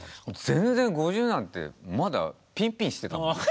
全然５０なんてまだピンピンしてたもん。